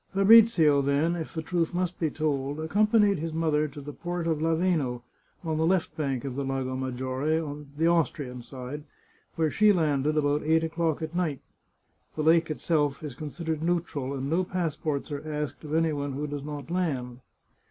Fabrizio, then, if the truth must be told, accompanied his mother to the port of Laveno, on the left bank of the Lago Maggiore, the Austrian side, where she landed about eight o'clock at night. (The lake itself is consid ered neutral, and no passports are asked of any one who does not land.)